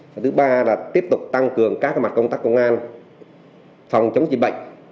và thứ ba là tiếp tục tăng cường các mặt công tác công an phòng chống dịch bệnh